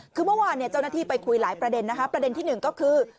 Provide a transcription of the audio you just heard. คือเมื่อวานเจ้าหน้าที่ไปคุยหลายประเด็นนะคะประเด็นที่หนึ่งก็คือ